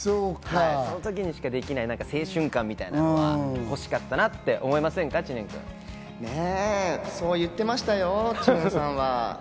その時にしかできない青春感みたいなものは欲しかったなって思いそう言ってましたよ、知念さんは。